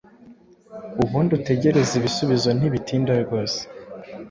ubundi utegereze ibisubizo ntibitinda rwose;